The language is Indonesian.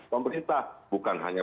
pemerintah bukan hanya